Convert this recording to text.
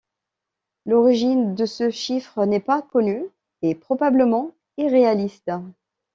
L'origine de ce chiffre n'est pas connu, et probablement irréaliste.